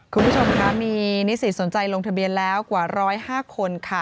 คุณผู้ชมคะมีนิสิตสนใจลงทะเบียนแล้วกว่า๑๐๕คนค่ะ